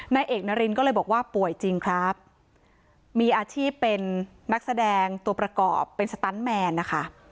นายเอกนารินก็เลยบอกว่าป่วยจริงครับมีอาชีพเป็นนักแสดงตัวประกอบเป็นสตันแมนนะคะ